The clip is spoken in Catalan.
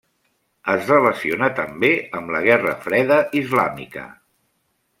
Es relaciona també amb la guerra freda islàmica.